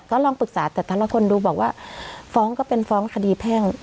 ก็ลองปรึกษาแต่แต่ละคนดูบอกว่าฟ้องก็เป็นฟ้องคดีแพ่ง